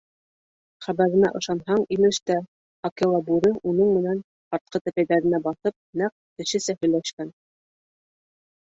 Хәбәренә ышанһаң, имеш тә, Акела-бүре уның менән, артҡы тәпәйҙәренә баҫып, нәҡ кешесә һөйләшкән.